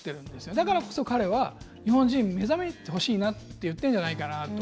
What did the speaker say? だからこそ、彼は日本人目覚めてほしいなって言ってるんじゃないかなと。